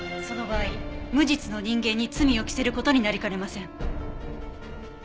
その場合無実の人間に罪を着せる事になりかねません。